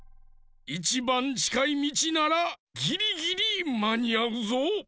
いちばんちかいみちならぎりぎりまにあうぞ。